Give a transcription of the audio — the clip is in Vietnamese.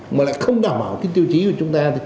mà lại không đảm bảo cái tiêu chí của chúng ta